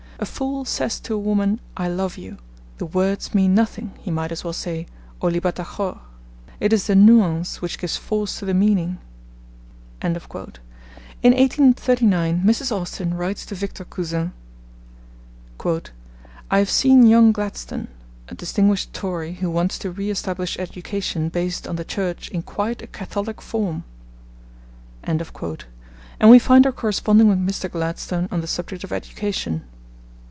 A fool says to a woman, "I love you"; the words mean nothing, he might as well say "Olli Batachor"; it is the nuance which gives force to the meaning.' In 1839 Mrs. Austin writes to Victor Cousin: 'I have seen young Gladstone, a distinguished Tory who wants to re establish education based on the Church in quite a Catholic form'; and we find her corresponding with Mr. Gladstone on the subject of education.